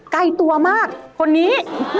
ใกล้ตัวมากคนนี้